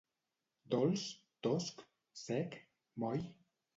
Dolç? tosc? sec? moll?